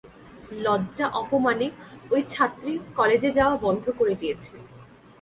লজ্জা অপমানে ওই ছাত্রী কলেজে যাওয়া বন্ধ করে দিয়েছেন।